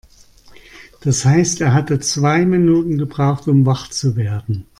Das heißt, er hatte zwei Minuten gebraucht, um wach zu werden.